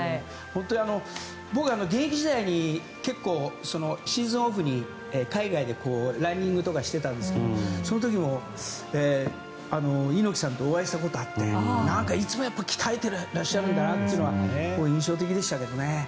本当に僕、現役時代に結構、シーズンオフに海外でランニングとかしてたんですけどその時も猪木さんとお会いしたことがあっていつも鍛えてらっしゃるんだなというのは印象的でしたけどね。